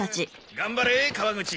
頑張れ川口！